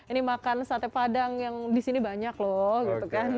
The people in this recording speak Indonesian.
ini makan sate padang yang di sini banyak loh